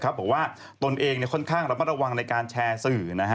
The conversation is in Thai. บอกว่าตนเองค่อนข้างระมัดระวังในการแชร์สื่อ